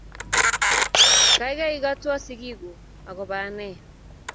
kaikai ikotwo sikikuk akobo anee